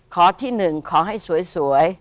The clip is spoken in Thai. ขอที่หนึ่งขอให้สวย